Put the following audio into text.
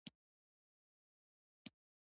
ګاندي وايي لږ تاوتریخوالی هم بد دی.